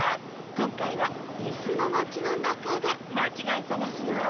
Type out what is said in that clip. こんかいはいすのまちのなかでまちがいさがしよ。